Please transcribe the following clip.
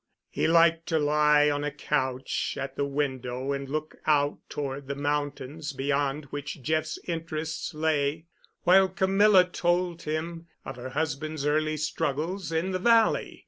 He liked to lie on a couch at the window and look out toward the mountains beyond which Jeff's interests lay, while Camilla told him of her husband's early struggles in the Valley.